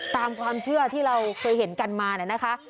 ตามความเชื่อที่เราเคยเห็นกันมานะคะ